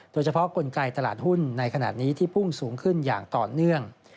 กลไกตลาดหุ้นในขณะนี้ที่พุ่งสูงขึ้นอย่างต่อเนื่อง